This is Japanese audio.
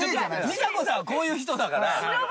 美佐子さんはこういう人だから。